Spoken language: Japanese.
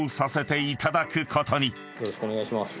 よろしくお願いします。